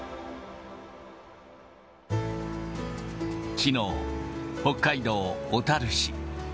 きのう、北海道小樽市。